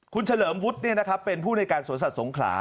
คุณเฉลิมวุฒิเป็นผู้ในการสวนสัตว์สงขลา